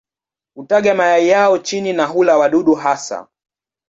Hutaga mayai yao chini na hula wadudu hasa.